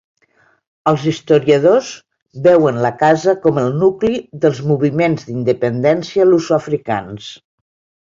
Els historiadors veuen la casa com el nucli dels moviments d'independència lusoafricans.